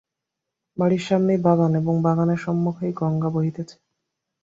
বাড়ির সামনেই বাগান এবং বাগানের সম্মুখেই গঙ্গা বহিতেছে।